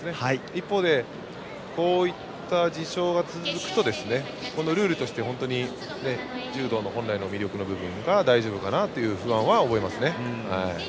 一方でこういった事象が続くとルールとして本当に柔道の本来の魅力の部分が大丈夫かなという不安は覚えます。